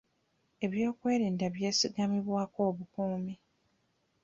Eby'okwerinda byesigamibwako obukuumi.